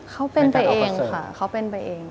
เขาเป็นไปเองค่ะเขาเป็นไปเอง